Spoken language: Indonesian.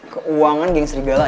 keuangan geng serigala